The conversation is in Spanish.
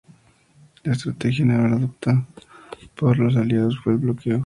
La estrategia naval adoptada por los aliados fue el bloqueo.